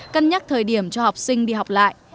cân nhắc thời điểm cho học sinh đi học lại